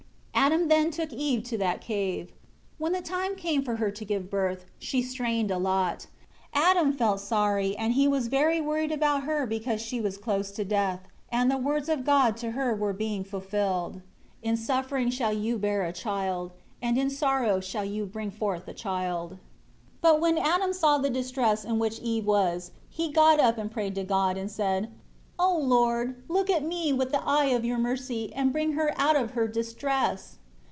3 Adam then took Eve to that cave. When the time came for her to give birth, she strained a lot. Adam felt sorry, and he was very worried about her because she was close to death and the words of God to her were being fulfilled: "In suffering shall you bear a child, and in sorrow shall you bring forth a child." 4 But when Adam saw the distress in which Eve was, he got up and prayed to God, and said, "O Lord, look at me with the eye of Your mercy, and bring her out of her distress."